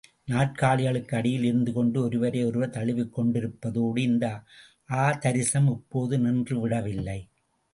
நாற்காலிகளுக்கு அடியில் இருந்து கொண்டு ஒருவரை ஒருவர் தழுவிக் கொண்டிருப்பதோடு இந்த ஆதரிசம் இப்போது நின்று விடவில்லை.